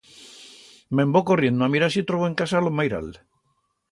Me'n vo corriendo a mirar si trobo en casa a lo mairal.